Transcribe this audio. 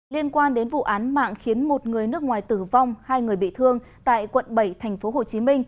liên quan đến vụ án mạng khiến một người nước ngoài tử vong hai người bị thương tại quận bảy tp hcm